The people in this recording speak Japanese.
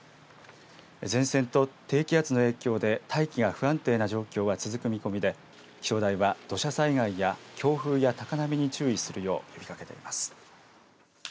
前線と低気圧の影響で大気が不安定な状況は続く見込みで気象台は土砂災害や強風や高波に注意するよう呼びかけています。